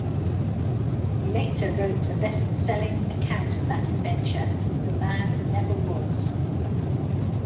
He later wrote a best-selling account of that adventure, "The Man Who Never Was".